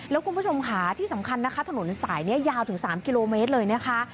แล้วคุณผู้ชมค่ะที่สำคัญนะคะถนนสายนี้ยาวถึง๓กิโลเมตรเลยนะคะ